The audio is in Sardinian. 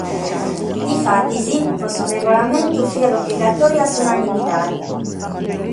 Difatis, pro su regulamentu fiat obligatòria s’unanimidade.